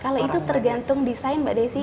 kalau itu tergantung desain mbak desi